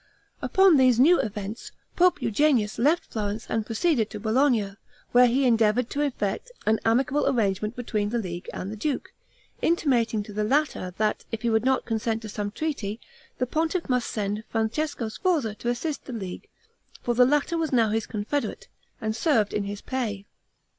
Upon these new events Pope Eugenius left Florence and proceeded to Bologna, where he endeavored to effect an amicable arrangement between the league and the duke, intimating to the latter, that if he would not consent to some treaty, the pontiff must send Francesco Sforza to assist the league, for the latter was now his confederate, and served in his pay.